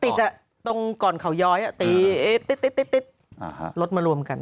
ตรงก่อนเขาย้อยตี๊ดรถมารวมกัน